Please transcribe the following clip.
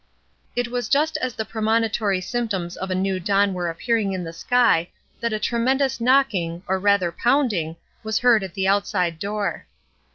It was just as the premonitory symptoms of a new dawn were appearing in the sky that a tremendous knocking, or rather pounding, was heard at the outside door.